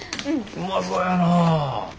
うまそやな。